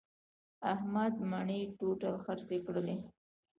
احمد مڼې ټوټل خرڅې کړلې.